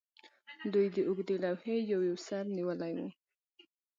دوی د اوږدې لوحې یو یو سر نیولی و